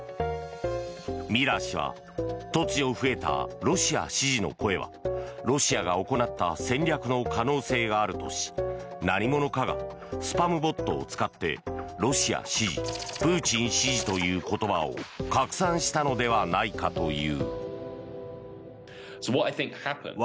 ミラー氏は突如増えたロシア支持の声はロシアが行った戦略の可能性があるとし何者かがスパムボットを使ってロシア支持プーチン支持という言葉を拡散したのではないかという。